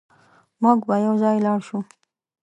موږ به يوځای لاړ شو